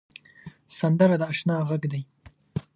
سندره د اشنا غږ دی